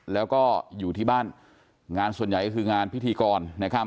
แล้วก็อยู่ที่บ้านงานส่วนใหญ่ก็คืองานพิธีกรนะครับ